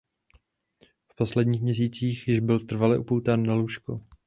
V posledních měsících již byl trvale upoután na lůžko.